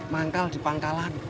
mangkal di pangkalan